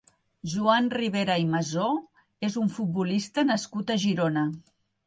Joan Ribera i Masó és un futbolista nascut a Girona.